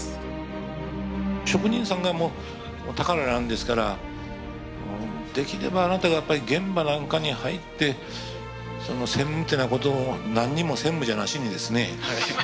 職人さんが宝なんですからできればあなたがやっぱり現場なんかに入って専務ってなことを何にもセンムじゃなしにですね。